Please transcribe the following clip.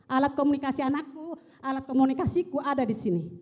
alat komunikasi anakku alat komunikasi ku ada di sini